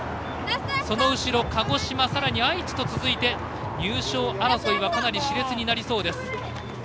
その後ろ、鹿児島、愛知と続いて優勝争いはかなりしれつになりそうです。